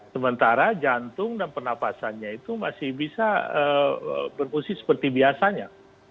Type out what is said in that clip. sementara jantung dan penapasannya itu masih bisa berfungsi seperti biasanya